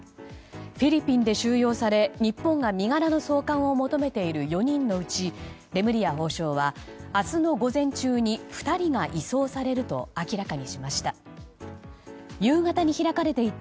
フィリピンで収容され日本が身柄の送還を求めている４人のうち、レムリヤ法相は明日の午前中に２人が移送されると明らかにしました。